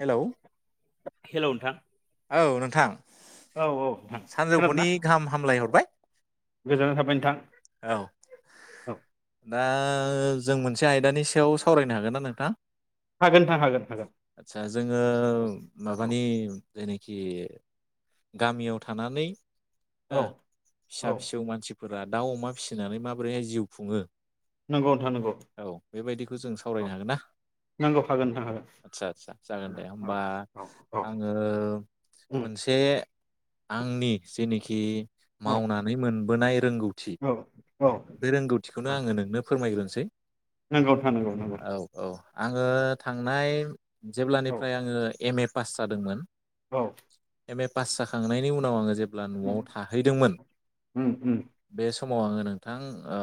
Hello hello नोंथां। औ नोंथां। औ औ नोंथां खोनादों ना सानजौफुनि गाहाम हामलाय हरबाय। गोजोननाय थाबाय नोंथां औ। दा जों मोनसे आयदानि सायाव सावरायनो हागोन ना नोंथां? हागोन नोंथां हागोन हागोन औ आतचसा जोङो माबानि जेखि गामियाव थानानै। औ हो फिसा औ फिसौ मानसिफोर फोरा दाउ अमा फिसिनानै माबोरैहाय जिउ खुङो। नंगौ नोंथां नंगौ औ बेबायदिखौ जों औ सावरायनो हागोन ना नंगौ हागोन नोंथां हागोन आदसा आदसा जागोन दे औ होमबा औ औ आङो। ओ उम मोनसे आंनि जेनोखि औ मावनानै मोनबोनाय रोंगौथि औ औ बे रोंगौथिखौनो औ आङो नोंनो फोरमायग्रोदों। सै नंगौ नोंथां नंगौ नंगौ औ औ आङो थांनाय औ जेब्लानिफ्राय आङो एम एफ पास जादोंमोन औ एम ए पास जाखांनायनि उनाव आङो जे ब्ला आं उम नवाव थाहैदोंमोन उम उम बे स समाव आङो नोंथां ओ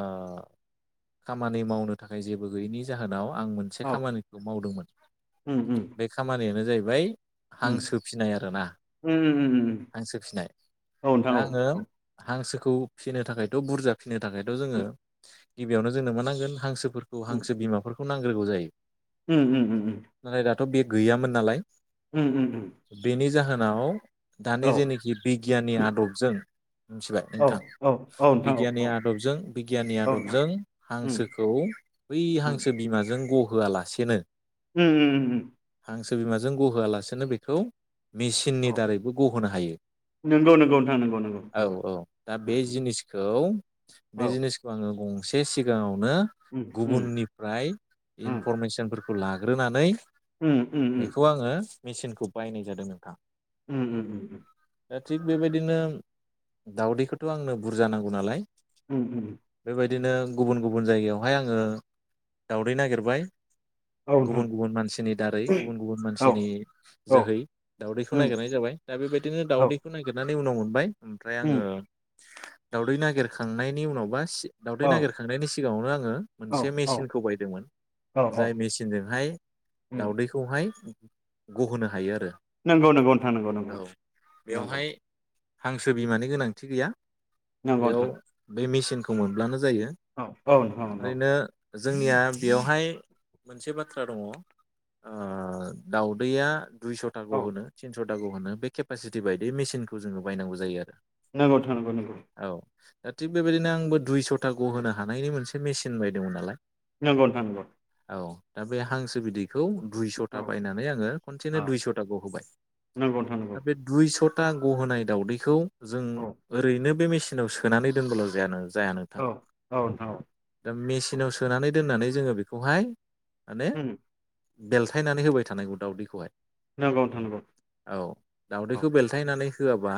खामानि मावनो थाखाय जेबो गैयैनि जाहोनाव आं मोनसे औ खामानिखौ मावदोंमोन उम उम बे खामानियानो जाहैबाय ओमफ्राय उम हांसो फिसिनाय आरोना उम उम उम हांसो फिसिनाय औ नोंथां दा औ आङो औ हांसो खौ फिसिनो थाखायथ' बुरजा फिनो थाखायथ' जोङो गिबियावनो जोंनो मोनानांगोन हांसो फोरखौ उम हांसो बिमाफोरखौ खौ नांग्रोगौ जायो उम उम उम थ' बे गैयामोन नालाय। उम उम उम बेनि जाहोनाव दानि औ जेनोखि बिगियाननि आदबजों मिथिबाय औ नोंथां औ औ नोंथां औ बिगियाननि औ आदबजों बिगियाननि औ नोंथां आदबजों उम हांसोखौ बै उम हांसो बिमाजों गहोआलासेनो उम उम उम हांसो बिमाजों गहोआलासेनो बेखौ मेचिननि औ दारैबो गहोनो हायो नंगौ नंगौ नोंथां नंगौ नंगौ औ नंगौ औ दा बे जिनिसखौ खौ औ बे जिनिसखौ आङो एसे सिगाङाव उम उम गुबुनिफ्राय उम इनफरमेसनफोरखौ खौ लाग्रोनानै उम उम उम बेखौ आङो। मेचिनखौ बायनाय जादों नोंथां। उम उम उम। दा थिग बेबायदिनो दाउदैखौथ' आंनो बुरजा नांगौ नालाय उम उम उम। बिदिनो गुबुन गुबुन जायगायावहाय आङो दावदै नागिरबाय औ नोंथां गुबुन गुबुन मानसिनि दारै गुबुन गुबुन औ मानसिनि औ जोहै दाउदैखौ उम नागिरनाय जाबाय दा बेबायदिनो औ दाउदैखौ नागिरनानै उनाव मोनबाय ओमफ्राय उम आङो। दावदै नागिरखांनायनि उनावबा दावदै औ नागिरखांनायनि सिगाङावनो आ ङो औ मोनसे औ मेचिनखौ बायदोंमोन औ औ जाय मेचिनजोंहाय उम दावदैखौहाय गहोनो हायो आरो। नंगौ नंगौ नोंथां नंगौ नंगौ औ नंगौ। बेवहाय हांसो बिमानि गोनांथि गैया। नंगौ बेयाव नोंथां बे मेचिन खौ मोनब्लानो जायो औ औ नोंथां नंगौ। ओरैनो जोंनिया बेयावहाय मोनसे बाथ्रा दङ ओ दाउदैया दुइस'था औ गहोनो ति नस'ता गहोनो बे केपासिटि बायदियै मेसिनखौ जोङो बायनांगौ जायो आरो। नंगौ नोंथां नंगौ नंगौ। औ दा थिग बेबायदिनो आंबो दुइस'था गहोनो हानायनि मोनसे मेसिन बायदोंमोन नालाय नंगौ नोंथां नंगौ। औ दा बे हांसो बिदैखौ दुइस'था औ बायनानै आङो खनसेनो औ दुइस'थाखौ होबाय नंगौ नोंथां दा नंगौ बे दुइस' था गहोय दावदैखौ जों औ ओरैनो। बे मेसिनाव सोनानै दोनब्लाल' जायानो। जाया नोंथां औ औ नोंथां औ दा मेसिनाव सोनानै दोननानै जोङो बेखौहाय माने उम बेलथायनानै होबाय थानायगौ दाउदैखौहाय नंगौ नोंथां नंगौ औ औ दावदैखौ बेलथायनानै होआबा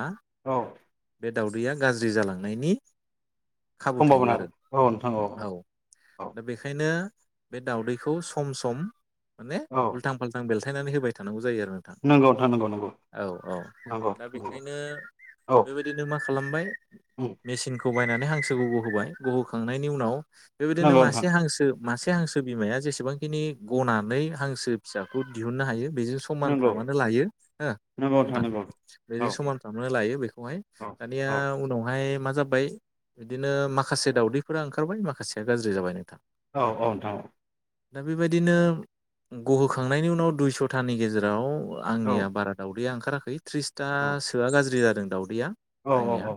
औ बे दाउदैया गाज्रि जालांनायनि खाबु थायो समभाबना आरो औ नोंथां औ औ दा बेखायनो बे दाउदैखौ सम सम माने औ उलथां फालथां बेलथा एरनानै होबाय थांनांगौ जायो आरो नोंथां नंगौ नोंथां नंगौ नंगौ औ औ नंगौ दा नंगौ बेखायनो औ बेबायदिनो मा खालामबाय उम मेसिन खौ बायनानै हांसोखौ गहोबाय गहोखांनायनि उनाव बेबायदिनो नंगौ नोंथां मासे हांसो मासे हांसो बिमाया जेसेबांखिनि गनानै हांसो फिसाखौ दिहुननो हायो बेजों नंगौ समानफ्रामानो लायो हो नंगौ नोंथां नंगौ औ बेजों समानफ्रामनो लायो बेखौहाय औ दानिया औ उन आय मा जाबाय बिदिनो माखासे दावदैफोरा ओंखारबाय माखासेया गाज्रि जाबाय नोंथां औ औ नोंथां औ दा बेबायदिनो गहोखांनायनि उनाव दुइस'थानि गेजेराव औ आंनिया बारा दावदैआ ओंखा [unintelligible] औ थ्रिसथासोआ गाज्रि जादों या औ औ आंनिया औ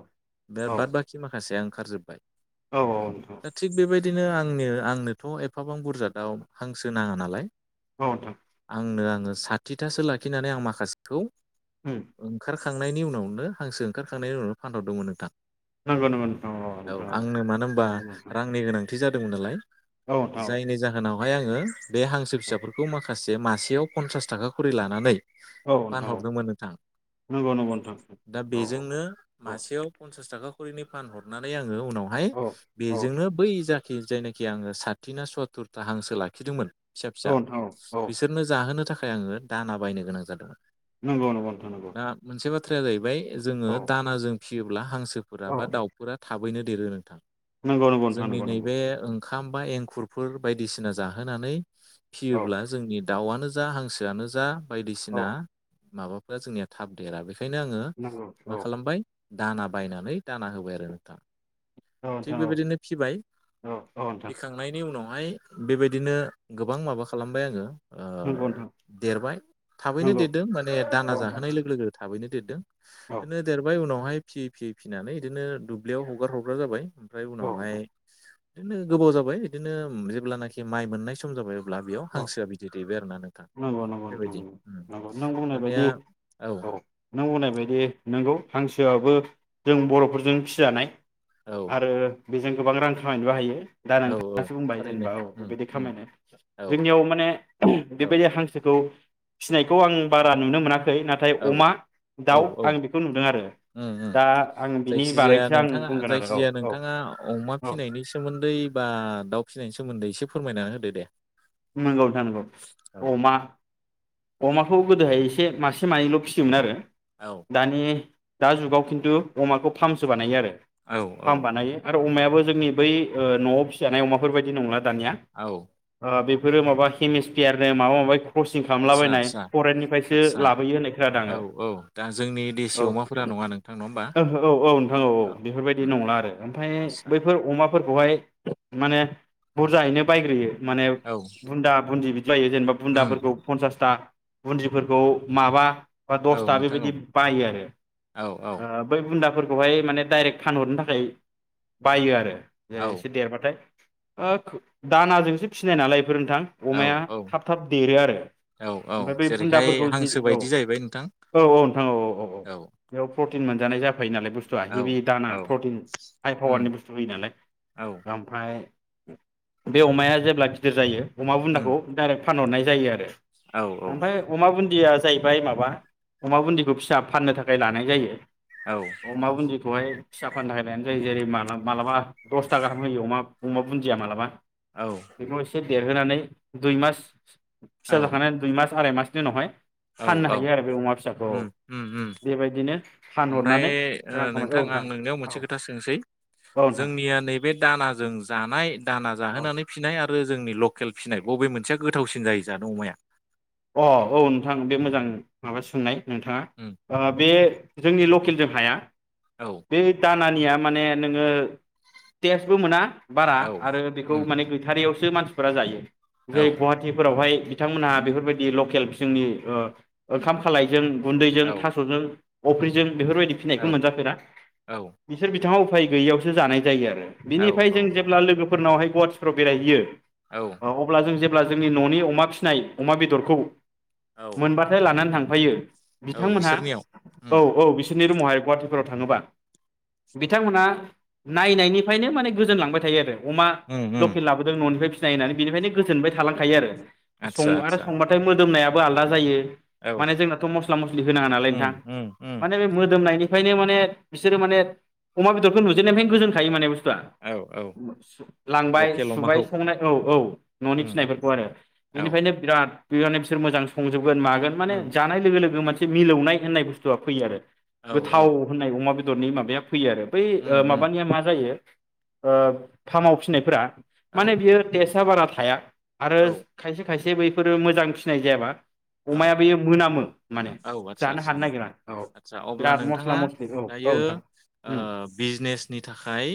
[unintelligible] बाद बाखि मा फिसाया ओंखारजोबबाय औ औ औ नंगौ बिदिनो आंनो आंनोथ' एफाबां बुरजा दाव हांसो नाङा नालाय औ नोंथां आंनो आङो साथिथासो लाखिनानै आं माखासेखौ उम ओंखार खा थांनायनि उनावनो हांसो ओंखारखांनायनि उनाव फानहर [unintelligible] नोंथां नंगौ नंगौ नोंथां औ नोंथां आंनो मानो होनबा नंगौ नोंथां रांनि गोनां [unintelligible] जादोंमोन नालाय औ नोंथां औ जायनि जाहोनाव ओमफ्राय आङो बे हांसो फिसाफोरखौ माखासे माखासे मासेयाव पन्सासथाखा खरै लानानै फानहरदोंमोन नोंथां दा बेजोंनो मासेयाव पन्सासथाखा खरिनि फानहरनानै आं उनावहाय औ औ बेजोंनो बै दा खि जायनाखि आङो साथि ना सत्तुरथा हांसो लाखिदोंमोन। फिसा फिसा नोंथां औ नंगौ नोंथां औ औ नोंथां औ बिसोरनो जाहोनो थाखाय फ्राय आङो दाना बायनो गोनां जादोंमोन। नंगौ नंगौ नोंथां दा मोनसे बाथ्राया जाहैबाय जोङो औ दाना जों फियोब्ला हांसो फोरा औ बा दाउफोरा थाबैनो देरो नोंथां। नंगौ नंगौ नोंथां जोंनि नंगौ नंगौ नैबे ओंखाम बा एंखुरफोर बायदिसिना जाहोनानै औ फियोब्ला जोंनि दाउआनो जा हांसोआनो जा औ बायदिसिना माबा जोंनिया थाब देरा बे ओंखायनो आङो नंगौ मा औ खालामबाय? दाना बायनानै दाना होबाय आरो नोंथां। औ थिग नोंथां औ बेबायदिनो फिबाय औ औ नोंथां फिखांनायनि उनाव माय बेबायदिनो गोबां माबा खालामबाय आङो। ओ नंगौ नोंथां देरबाय थाबैनो नंगौ देरदों माने औ दाङा नोंथां जाहोनाय लोगो लोगो थाबैनो देरदोंनो औ बिदिनो देरबाय उनाव बेवहाय फियै फियै फिनानै बिदिनो दुब्लियाव हगार हरग्रा जाबाय। ओमफ्राय औ उनावहाय नोंथां बिदिनो गोबाव जाबाय बिदिनो जेब्लानाखि माइ मोननाय सम जाबाय। अब्ला बेयाव औ हांसोआ बिदि दैेबाय आरोना नों नंगौ नंगौ नोंथां नंगौ नंगौ नों बुंनाय दानिया बायदि औ नों बुंनाय बायदि नोंगौ हांसोआबो जों बर'फोरजों फिजानाय। औ आरो बेजों गोबां रां खामायनोबो हायो। दा औ औ नोंथाङासो बुंबाय थारैनो जेनेबा औ उम बेबायदि उम खामायनो औ जोंनियाव माने औ बेबायदि हांसोखौ फिनायखौ आं बारा नुनो मोना औ औ औ बेखौ नुदों आरो ओं ओं दा आं बिनि जायखिजाया बारैसो आं नोंथाङा बुंगोन आरो औ जायखिजाया औ नोंथाङा अमा औ फिनायनि सोमोन्दै बा दाउ फिनायनि सो सोमोन्दै एसे फोरमायनानै होदो दे। नंगौ नोंथां नंगौ औ अमा अमाखौ गोदोहाय एसे मासे मानैल फिसियोमोन आरो। औ दानि दा जुगाव खिन्थु अमाखौ फार्मसो बानायो आरो औ औ फाम बानायो आरो अमाया बो जोंनि बै ओ नयाव फि जानाय अमाफोर बायदि नंला। दानिया औ ओ बिब्दि बेफोरो माबा केमिसफपियारनो माबा माबा कस आदसा खालामलाबायनाय आदसा फरनिफ्रायसो आदसा लाबोनाय औ औ दा जोंनि देसि होननासो अमाफोरा खोनादों नङा नोंथां नङा होमबा आङो। औ औ नोंथां औ बेफोरबायदि नंला आरो नाथाय आदसा बैफोर अमा फोरखौहाय माने बुरजायैनो बायग्रोयो। माने औ भुन्दा भुन्दि बिदि जायो जेनेबा उम बुन्दाफोरखौ बा बुन्दिफोरखौ माबा बा औ दसथा नोंथां औ बेबायदि बायो आरो औ औ ओ बै बुन्दाफोर खौहाय माने डाइरेक्ट फानहरनो थाखाय बायो आरो। जेरै औ इसे देरबाथाय ओ दानाजोंसो फिनाय नालाय। फोर नोंथां अमाया औ थाब थाब देरो आरो। औ ओमफ्राय औ बै जेरैहाय बुन्दाफोरखौ जि हांसो औ बायदि जाहैबाय नोंथां औ औ नोंथां औ औ औ औ बेयाव फ्र तिन मोनजानाय जा फैयो नालाय बुस्थुआ औ हेभि दाना औ प्रटिन हाइ पावारनि उम बुस्थु होयो नालाय औ ओमफ्राय बे अमाया जेब्ला गिदिर जायो अमा उम बुन्दाखौ डाइरेक्ट फानहरनाय जायो आरो। औ ओमफ्राय अमा बुन्दिया जाहैबाय माबा अमा बुन्दिखौ फिसा फाननो थाखाय लानाय जायो। औ अमा बुन्दिखौहाय। फिसा फाननो थाखाय लायानो जायो जेरै मा मालाबा दसथा गाहाम होयो अमा अमा बुन्दिया माबलाबा औ [unintelligible] देरहोनानै दुइ मास फिसा औ जाखांनायनि उनाव दुइ मास आराय मासनि उनावहाय औ फाननो हायो औ आरो बे अमा फिसाखौ उम उम उम बेबायदिनो ओमफ्राय फानहरनानै ओ रां खामाय औ नोंथां आं नोंनिाव औ मोनसे खोथा सोंसै औ नोंथां जोंनिया नैबे दानाजों जानाय दाना औ जाहोनानै फिसिनाय आरो- बो जोंनि लकेल फिसिनाय बबे मोनसेया गोथावसिन जायो जानो अमाया? अ औ नोंथां बे मोजां माबा सोंनाय नोंथाङा उम ओ बे जोंनि [unintelligible] जों हाया। औ बे दा खानिया माने नोङो टेस्बो मोना। बारा औ आरो बेखौ उम माने गैथारियाव मानसिफोरा जायो। औ जै गुवाहाटिफोरावहाय बिथांमोनहा बेफोरबायदि लकेल जोंनि ओ ओंखाम खालायजों गुन्दैजों औ औ थास'जों अफ्रिजों बेफोरबायदि फिनायखौ औ मोनजाफेरा औ बिसोर बिथाङा उफाय गैयियावसो जानाय जायो आरो। औ बिनिफ्राय जों जेब्ला औ लोगोफोरनावहाय स्पर्ट्सफ्राव बेरायहैयो अ अब्ला जों जे अब्ला जोंनि न'नि अमा फिसिनाय अमा बेदरखौ औ मोनबाथाय लानानै थांगोन। ओमफयो औ बिथांमोनहा बिसोरनियाव उम औ औ बिसोरनि रुमावहाय गुवा सफोराव थाङोबा बिथांमोनहा नायनायनिफ्रायनो माने गोजोनलांबाय थायो आरो। अमा उम उम लकेल लाबोदों न'निफ्राय जायो नालाय बेनिफ्रायनो गोजोनबाय थालांखायो आरो। सं आदसा आरो आदसा संबाथाय मोदोमनायाव आलादा जायो औ माने जोंनाथ' मस्ला मस्लि होनाङा नालाय उम नोंथां उम उम माने बे मोदोमनायनि खायनो माने बिसोरो माने अमा बेदरखौ नुजेननायनिफ्राय गोजोनखायो माने बा औ औ लांबाय लकेल सुबाय अमाखौ संनाय औ औ न'नि उम फिनायफोरखौ आरो औ बेनिफ्रायनो बिराद बि माने बिसोर संजोब मागोन माने उम जानाय लोगो लोगो मोन एसे मिलौनाय होननाय बुस्थुआ फैयो आरो। औ औ गोथाव होननाय अमा बे [unintelligible] माबाया फैयो आरो बै उम उम माबानिया मा जायो। ओ फार्माव फिननायफोरा औ माने बियो तसा बार थाया आरो औ खायसे खायसे एसे बैफोर मोजां फिसिनाय जायाबा औ अमाया बेयो मोनामो माने औ आदसा जानो आदसा हानो नोंथां नागिरा औ बिराद मस्ला मस्लि औ बियो नोंथां उम बिजनेसनि थाखाय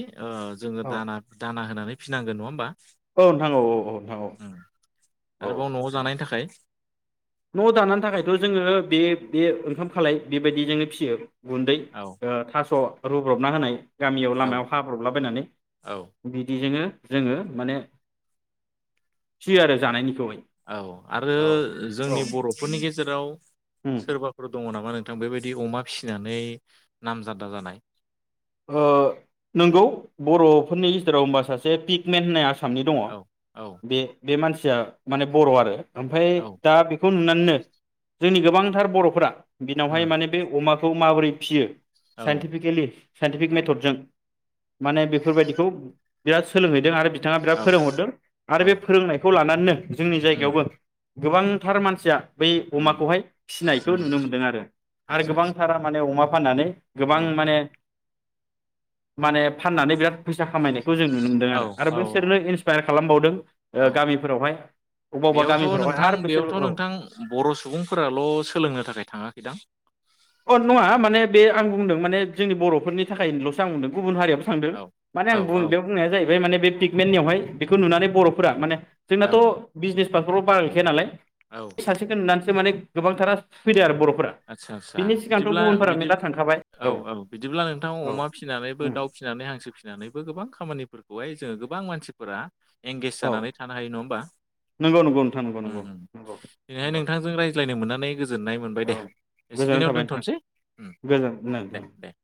जोङो औ दा दाना होनानै फिनांगोन नङा होमबा? औ नोंथां औ औ नोंथां औ आरोबाव औ न'आव औ जानायनि थाखाय न' जानो थाखायथ' जोङो बे बे ओंखाम खालाय बेबायदि जोनो फिसियो गुन्दै औ ओ थास' रुब्रबना होनाय गामियाव औ लामायाव हाब्रबला बायनानै औ बिदिजोंङो जोङो माने फियो आरो जानाय [unintelligible] औ आरो जोंनि बर'फोरनि गेजेराव उम सोरबाफोर दङ। मोननाबा नोंथां बेबायदि अमा फिसिनानै नामजादा जानाय। नोंगौ बर'फोरनि गेजेराव होनबा सासे पिकमेन होननाय आसामनि दङ औ औ बे मानसि खुन्थिया माने बर' आरो। ओमफ्राय औ दा बेखौ नुनानैनो। जोंनि गोबांथार बर'फोरा बिनावहाय उम माने बे अमा खौ माबोरै फिसियो। औ साइन्टिफिकेलि साइन्टिफिक औ मेथडजों माने बेफोरबायदिखौ बिराद सोलोंहैदों आरो। बिथाङा बिराद औ फोरोंहरदों आरो औ बे फोरोंनायखौ लानानै [unintelligible] जोंनि उम जायगायावबो गोबांथार मानसिया बै उम अमाखौहाय फिसिनायखौ उम नुनो मोनदों आरो आरो आतसा आतसा गोबांथारा माने अमा फाननानै औ गोबां माने माने फाननानै बिराद फैसा खामायनायखौ जों नुनो मोनदों औ आरो औ बैसोरनो इनसपायार खालामबावदों ओ औ गामिफोरावहाय अबा अबा बेयावथ' गामिफोरावहाय नोंथां आरो बिसोर बेयावथ' औ नोंथां बर' सुबुंफोराल' सोलोंनो थाखाय थाङाखैदां। अ नङा माने बे आं बुंदों माने जोंनि बर' फोरनि थाखायनोल'सो आं मोनदों गुबुन हारियाव थांदों औ माने औ आं औ बे बुंनाया जाहै बे माने बे पिकमेन्टनियावहाय बेखौ नुनानै बर'फोरा माने औ जोंनाथ' बिजनेस [unintelligible] गैखाया नालाय औ सासेखौ नुनानैसो माने गोबांथारा फैदों आरो बरफ फोरा आदसा आदसा बिनि सिगांथ' बिदिब्ला गुबुनफोरा बिदि मेरला थांखाबाय औ बिदिब्ला नोंथां औ अमा फिसिनानैबो उम दाउ फिसिनानै हांसो फिसिनानैबो गोबां खामानिफोरखौहाय जोङो गोबां मानसिफोरा एंगेज औ जानानै थानो हायो नङा होमबा नंगौ नंगौ नोंथां नंगौ ओम नंगौ ओम नंगौ दिनैहाय नंगौ नोंथांजों रायज्लायनो मोननानै गोजोननाय मोनबाय दे। गोजोनाव एसेखिनियाव थाबाय नोंथां दोनथ'नोसै उम, दे गोजोन। दे